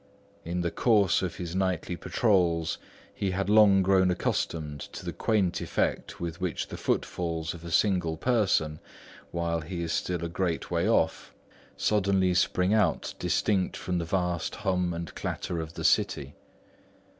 In the course of his nightly patrols, he had long grown accustomed to the quaint effect with which the footfalls of a single person, while he is still a great way off, suddenly spring out distinct from the vast hum and clatter of the city.